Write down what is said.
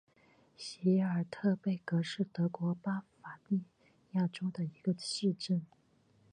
席尔特贝格是德国巴伐利亚州的一个市镇。